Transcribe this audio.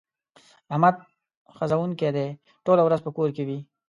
احمد ښځنوکی دی؛ ټوله ورځ په کور کې وي.